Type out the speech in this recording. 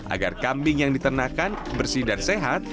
agar kambing yang diternakan bersih dan sehat